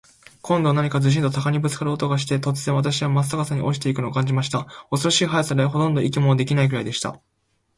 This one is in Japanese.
今度は何かズシンと鷲にぶっつかる音がして、突然、私はまっ逆さまに落ちて行くのを感じました。恐ろしい速さで、ほとんど息もできないくらいでした。